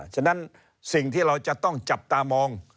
ฉะนั้นสิ่งที่เราจะต้องจับตามอง